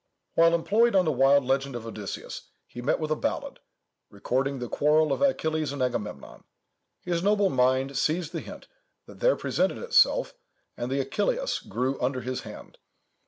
"While employed on the wild legend of Odysseus, he met with a ballad, recording the quarrel of Achilles and Agamemnon. His noble mind seized the hint that there presented itself, and the Achilleïs grew under his hand.